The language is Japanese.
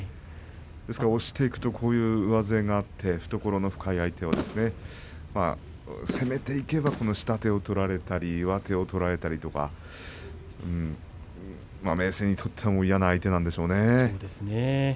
押していくと上背があって懐が深い相手には攻めていけば、この下手を取られたり上手を取られたりとか明生にとっては嫌な相手なんでしょうね。